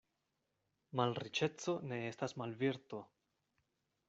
Malriĉeco ne estas malvirto.